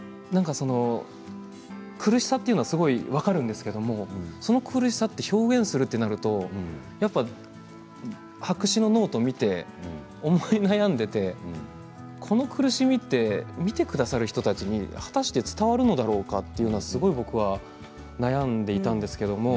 苦しさというのはすごく分かるんですがその苦しさを表現するとなるとやっぱり白紙のノートを見て思い悩んでいてこの苦しみというのは見てくださる人たちに果たして伝わるのだろうかと僕は、すごく悩んでいたんです。